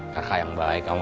kakak yang baik kamu